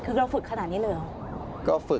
คือเราฝึกขนาดนี้เลยเหรอ